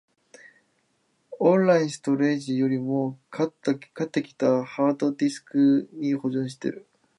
オンラインストレージよりも、買ってきたハードディスクに保存してる